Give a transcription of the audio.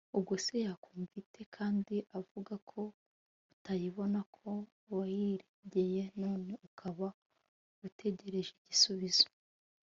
ubwo se yakumva ite, kandi uvuga ko utayibona, ko wayiregeye, none ukaba utegereje igisubizo